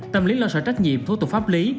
tâm lý lo sợ trách nhiệm thủ tục pháp lý